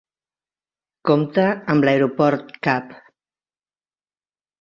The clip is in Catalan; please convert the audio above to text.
Compta amb l'aeroport Cap.